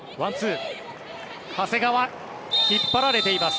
長谷川、引っ張られています。